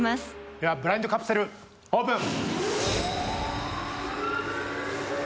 ではブラインドカプセルオープン！